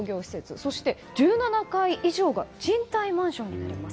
そして１７階以上が賃貸マンションになります。